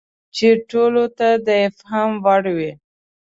چې ټولو ته د افهام وړ وي.